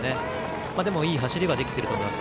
でも、いい走りはできていると思います。